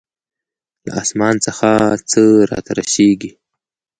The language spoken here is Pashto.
له آسمان څخه څه راته رسېږي.